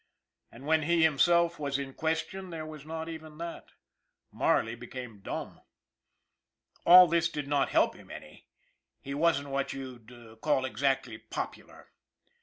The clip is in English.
And when he him self was in question there was not even that Marley became dumb. All this did not help him any he wasn't what you'd call exactly popular!